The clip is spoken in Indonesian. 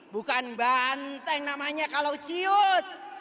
bukan banteng namanya kalau ciut